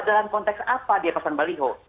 dalam konteks apa dia pesan baliho